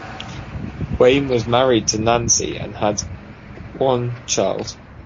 Wayne was married to Nancy and had one child.